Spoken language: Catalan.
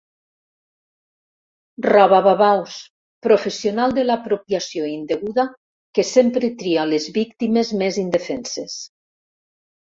Robababaus: professional de l'apropiació indeguda que sempre tria les víctimes més indefenses.